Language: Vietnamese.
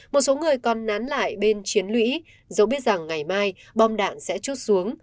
một số người còn nán lại bên chiến lũy dẫu biết rằng ngày mai bom đạn sẽ chút xuống